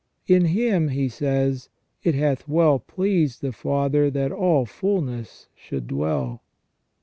" In Him," he says, " it hath well pleased the Father that all fulness should dwell."